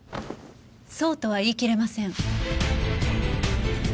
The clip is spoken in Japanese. そうとは言い切れません。